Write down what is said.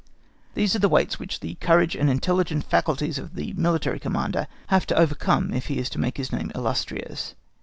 These are the weights which the courage and intelligent faculties of the military Commander have to overcome if he is to make his name illustrious.